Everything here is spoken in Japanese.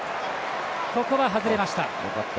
ここは外れました。